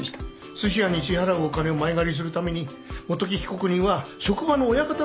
すし屋に支払うお金を前借りするために元木被告人は職場の親方の元に走った。